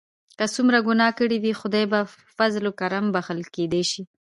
که څومره ګناه کړي وي خدای په فضل او کرم بښل کیدای شي.